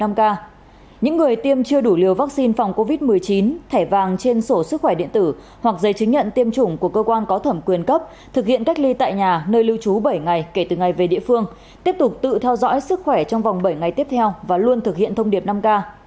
về việc cách ly đối với người về từ tp hcm bình dương đồng nai và long an bộ y tế cho biết những người đã tiêm đủ liều vaccine covid một mươi chín thẻ xanh trên sổ sức khỏe điện tử hoặc giấy chứng nhận tiêm chủng của cơ quan có thẩm quyền cấp thực hiện cách ly tại nhà nơi lưu trú bảy ngày kể từ ngày về địa phương tiếp tục tự theo dõi sức khỏe trong vòng bảy ngày tiếp theo và luôn thực hiện thông điệp năm k